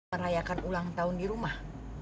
kamu mau merayakan ulang tahun di rumah